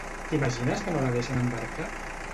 T'imagines que no la deixen embarcar?